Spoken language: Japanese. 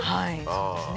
そうですね。